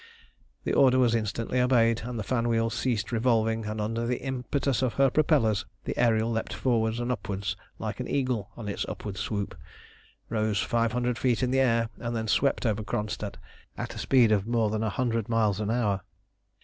The order was instantly obeyed; the fan wheels ceased revolving, and under the impetus of her propellers the Ariel leapt forwards and upwards like an eagle on its upward swoop, rose five hundred feet in the air, and then swept over Kronstadt at a speed of more than a hundred miles an hour.